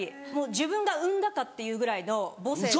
自分が産んだかっていうぐらいの母性が。